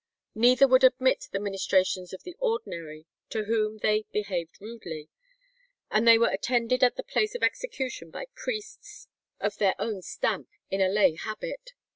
Neither would admit the ministrations of the ordinary, to whom they "behaved rudely," and they were attended at the place of execution by priests of their own stamp in a lay habit.